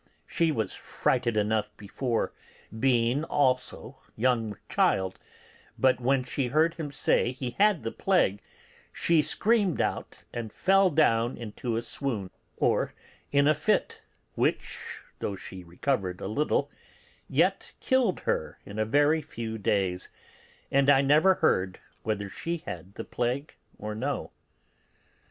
She was frighted enough before, being also young with child; but when she heard him say he had the plague, she screamed out and fell down into a swoon, or in a fit, which, though she recovered a little, yet killed her in a very few days; and I never heard whether she had the plague or no.